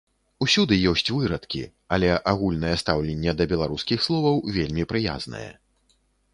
Усюды ёсць вырадкі, але агульнае стаўленне да беларускіх словаў вельмі прыязнае.